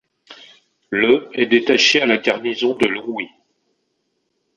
Le est détaché à la garnison de Longwy.